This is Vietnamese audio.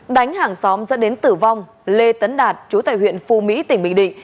đánh hàng xóm dẫn đến tử vong lê tấn đạt chú tại huyện phu mỹ tỉnh bình định